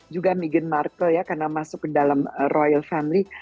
juga meghan markle ya karena masuk ke dalam royal friendly